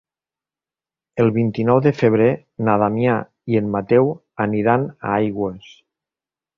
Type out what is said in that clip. El vint-i-nou de febrer na Damià i en Mateu aniran a Aigües.